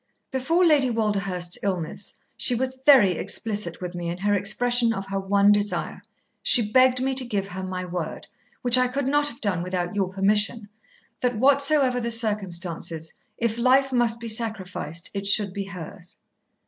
"Before Lady Walderhurst's illness, she was very explicit with me in her expression of her one desire. She begged me to give her my word, which I could not have done without your permission, that whatsoever the circumstances, if life must be sacrificed, it should be hers."